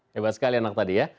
hebat sekali anak tadi ya